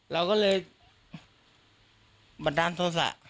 เราก็เลยบันดาลโทษะ